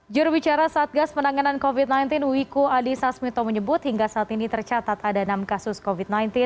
jurubicara satgas penanganan covid sembilan belas wiku adhisa smito menyebut hingga saat ini tercatat ada enam kasus covid sembilan belas